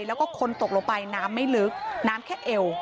แล้วก็คนตกลงไปน้ำไม่ลึกน้ำแค่เอว